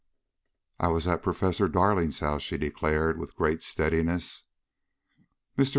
"I was at Professor Darling's house," she declared, with great steadiness. Mr.